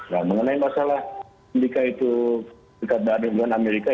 nah mengenai masalah amerika itu dekat dengan amerika